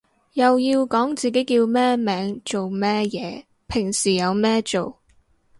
又要講自己叫咩名做咩嘢平時有咩做